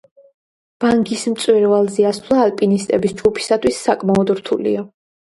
ბანგის მწვერვალზე ასვლა ალპინისტების ჯგუფებისათვის საკმაოდ რთულია.